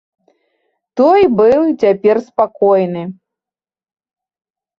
Той быў цяпер спакойны.